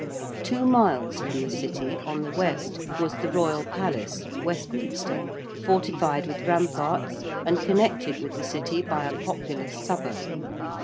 Two miles from the City, on the west, was the Royal Palace (Westminster), fortified with ramparts and connected with the City by a populous suburb.